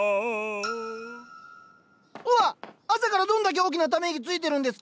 うわっ朝からどんだけ大きなため息ついてるんですか。